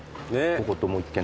ここともう１軒と。